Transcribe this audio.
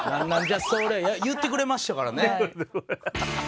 言ってくれましたからね。